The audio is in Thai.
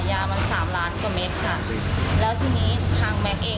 แล้วทีนี้ทางแม็กซ์เองก็คือได้คุยกันไว้แล้วค่ะ